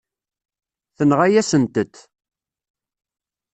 Tenɣa-yasent-t.